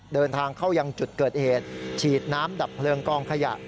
เดินทางเข้ายังจุดเกิดเหตุฉีดน้ำดับเพลิงกองขยะ